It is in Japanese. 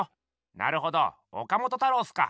なるほど岡本太郎っすか！